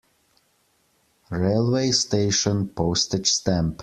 Railway station Postage stamp.